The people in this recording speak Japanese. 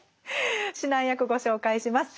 指南役ご紹介します。